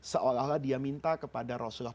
seolah olah dia minta kepada rasulullah